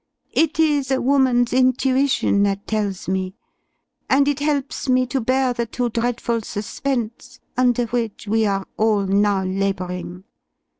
It is a woman's intuition that tells me, and it helps me to bear the too dreadful suspense under which we are all now labouring.